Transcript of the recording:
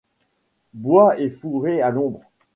Bois et fourrés, à l'ombre.